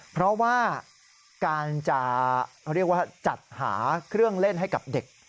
เพราะว่าการจะเรียกว่าจัดหาเครื่องเล่นให้กับเด็ก